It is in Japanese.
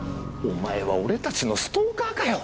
お前は俺たちのストーカーかよ！？